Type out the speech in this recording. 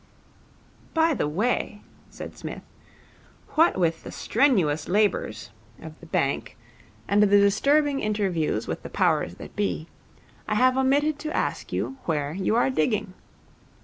'By the way,' said Psmith, 'what with the strenuous labours of the bank and the disturbing interviews with the powers that be, I have omitted to ask you where you are digging.